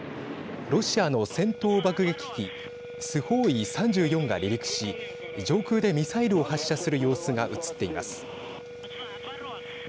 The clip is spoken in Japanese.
ロシアの戦闘爆撃機スホーイ３４が離陸し上空でミサイルを発射する様子が映っています。